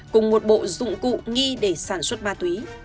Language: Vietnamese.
cùng một bộ dụng cụ nghi để sản xuất ma túy